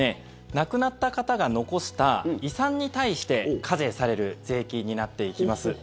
亡くなった方が残した遺産に対して課税される税金になっていきます。